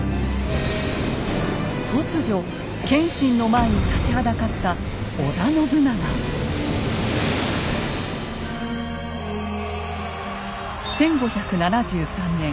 突如謙信の前に立ちはだかった１５７３年